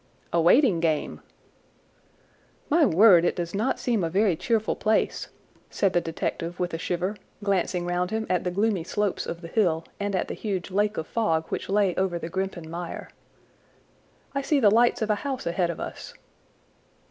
"A waiting game." "My word, it does not seem a very cheerful place," said the detective with a shiver, glancing round him at the gloomy slopes of the hill and at the huge lake of fog which lay over the Grimpen Mire. "I see the lights of a house ahead of us."